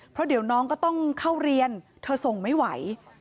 เพราะเดี๋ยวน้องก็ต้องเข้าเรียนเธอส่งไม่ไหว